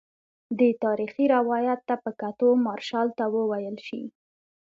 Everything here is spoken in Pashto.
دې تاریخي روایت ته په کتو مارشال ته وویل شي.